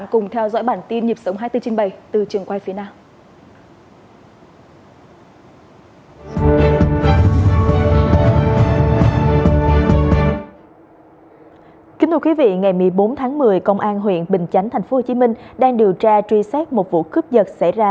kính chào quý vị ngày một mươi bốn tháng một mươi công an huyện bình chánh tp hcm đang điều tra truy xét một vụ cướp giật xảy ra